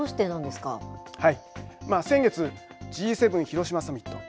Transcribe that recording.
先月、Ｇ７広島サミット